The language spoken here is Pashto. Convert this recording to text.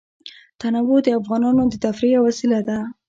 تنوع د افغانانو د تفریح یوه وسیله ده.